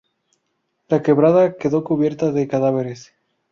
La quebrada quedó cubierta de cadáveres.